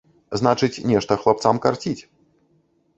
Значыць, нешта хлапцам карціць.